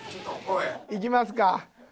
行きますか。